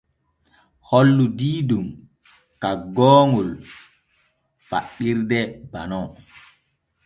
Hollu diidol kaggoowol faɗɗirde banon.